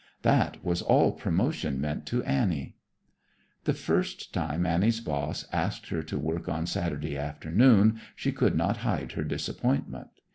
That was all promotion meant to Annie. The first time Annie's boss asked her to work on Saturday afternoon, she could not hide her disappointment.